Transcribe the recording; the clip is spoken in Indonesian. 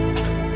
oke sampai jumpa